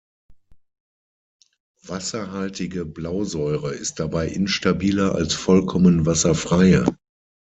Wasserhaltige Blausäure ist dabei instabiler als vollkommen wasserfreie.